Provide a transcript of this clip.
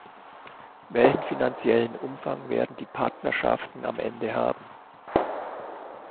Welchen finanziellen Umfang werden die Partnerschaften am Ende haben?